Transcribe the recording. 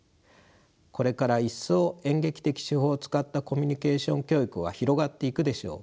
これからいっそう演劇的手法を使ったコミュニケーション教育は広がっていくでしょう。